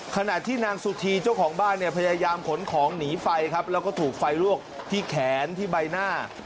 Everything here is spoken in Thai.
ขณะที่นางสุธีเจ้าของบ้านเนี่ยพยายามขนของหนีไฟครับแล้วก็ถูกไฟลวกที่แขนที่ใบหน้า